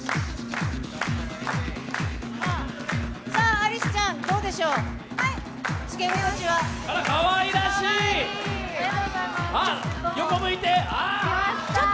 アリスちゃん、つけ心地はどうでしょう？